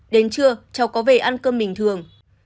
đến trưa cháu có về ăn cơm bình thường